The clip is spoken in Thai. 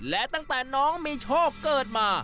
และตั้งแต่น้องมีโชคเกิดมา